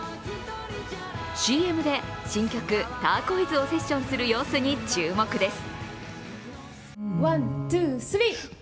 ＣＭで新曲「ターコイズ」をセッションする様子に注目です。